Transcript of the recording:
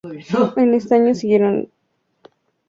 En ese año siguieron girando por el país con este disco.